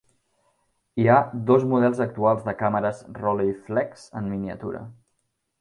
Hi ha dos models actuals de càmeres Rolleiflex en miniatura.